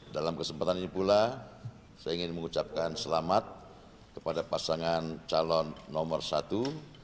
dalam kesempatan ini pula saya ingin mengucapkan selamat kepada pasangan calon nomor satu